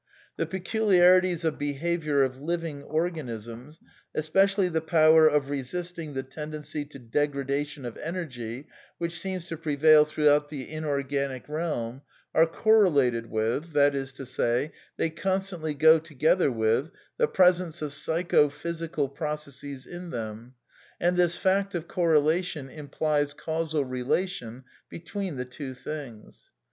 The peculiarities of behaviour of living organisms, e8i)ecially the power of resisting the tendency to degradation of energy which seems to prevail throughout the inorganic realm, are correlated with, that is to say, they constantly go together with, the presence of psycho physical processes in them, and this fact of correlation implies causal relation between the two things.